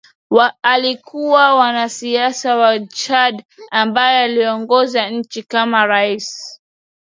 alikuwa mwanasiasa wa Chad ambaye aliongoza nchi kama Rais